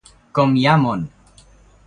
Com hi ha món.